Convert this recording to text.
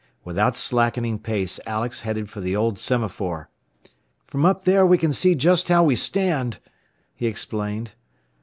Without slackening pace Alex headed for the old semaphore. "From up there we can see just how we stand," he explained.